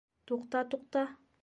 Туҡта, туҡта!